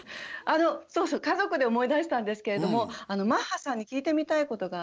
そうそう家族で思い出したんですけれどもマッハさんに聞いてみたいことがありまして。